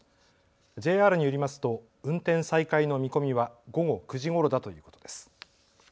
ＪＲによりますと運転再開の見込みは午後９時ごろだということです。